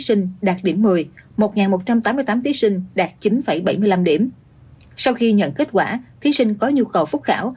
thí sinh đạt điểm một mươi một một trăm tám mươi tám thí sinh đạt chín bảy mươi năm điểm sau khi nhận kết quả thí sinh có nhu cầu phúc khảo